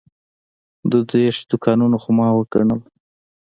دوه دېرش دوکانونه خو ما وګڼل.